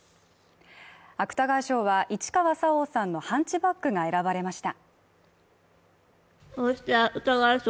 芥川賞は市川沙央さんの「ハンチバック」が選ばれました。